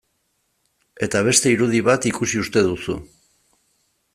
Eta beste irudi bat ikusi uste duzu...